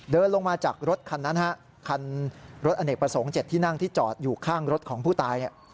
เดินลงมาจากรถคันนั้นคันรถอเนกประสงค์๗ที่นั่งที่จอดอยู่ข้างรถของผู้ตาย